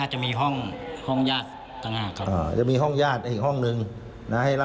จะมาเทศ